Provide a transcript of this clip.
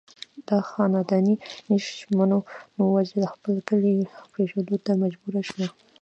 د خانداني دشمنو پۀ وجه د خپل کلي پريښودو ته مجبوره شو